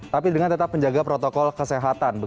tapi dengan tetap menjaga protokol kesehatan